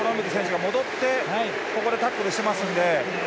戻って、ここでタックルしていますので。